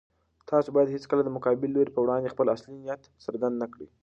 تاسو بايد هيڅکله د مقابل لوري په وړاندې خپل اصلي نيت څرګند نه کړئ.